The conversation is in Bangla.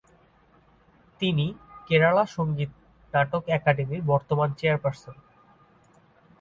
তিনি কেরালা সংগীত নাটক একাডেমির বর্তমান চেয়ারপারসন।